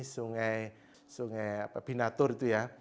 sungai binatur itu ya